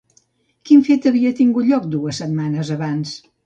Quin fet havia tingut lloc dues setmanes abans?